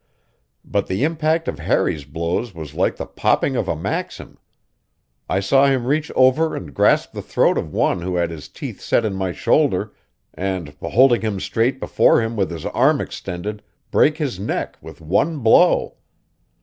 But the impact of Harry's blows was like the popping of a Maxim. I saw him reach over and grasp the throat of one who had his teeth set in my shoulder, and, holding him straight before him with his arm extended, break his neck with one blow.